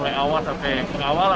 mulai awal sampai ke awal